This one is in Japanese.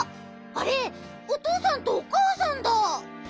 あれおとうさんとおかあさんだ。